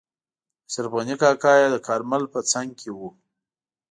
اشرف غني کاکا یې د کارمل په څنګ کې وو.